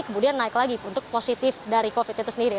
kemudian naik lagi untuk positif dari covid itu sendiri